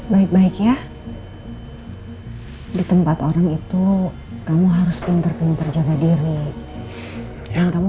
baik baik ya di tempat orang itu kamu harus pinter pinter jaga diri dan kamu